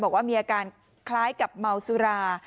บอกว่ามีอาการคล้ายกับเมาสุรา